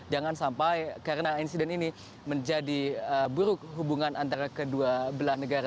jangan sampai karena insiden ini menjadi buruk hubungan antara kedua belah negara